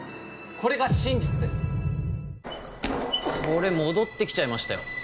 これ戻って来ちゃいましたよ。